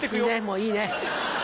もういいね。